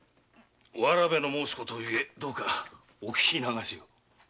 童の申すことゆえどうかお聞き流しを。